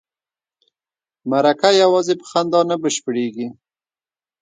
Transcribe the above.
مرکه یوازې په خندا نه بشپړیږي.